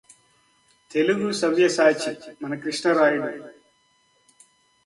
తెలుగుసవ్యసాచి మన కృష్ణరాయుడు